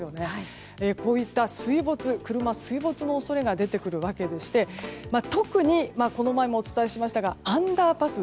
こういった水没、車の水没の恐れが出てくるわけでして特にこの前もお伝えしましたがアンダーパス。